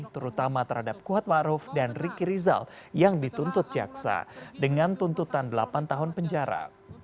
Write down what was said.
terutama terhadap kuatmaruf dan riki rizal yang dituntut jaksa dengan tuntutan delapan tahun penjara